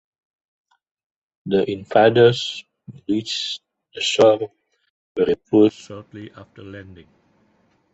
The invaders who reached the shore were repulsed shortly after landing.